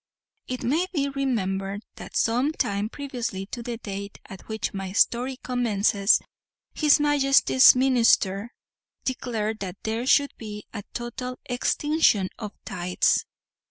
It may be remembered that some time previously to the date at which my story commences, his majesty's ministers declared that there should be a "total extinction of tithes."